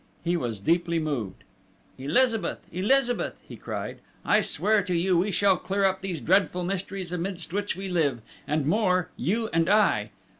He was deeply moved. "Elizabeth!... Elizabeth!" he cried. "I swear to you we shall clear up these dreadful mysteries amidst which we live, and more, you and I!